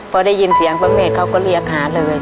พอได้ยินเสียงพระแม่เขาก็เรียกหาเลย